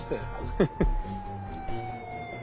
フフッ。